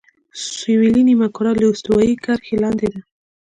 سویلي نیمهکره له استوایي کرښې لاندې ده.